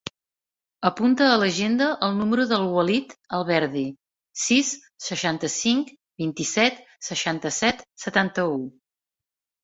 Apunta a l'agenda el número del Walid Alberdi: sis, seixanta-cinc, vint-i-set, seixanta-set, setanta-u.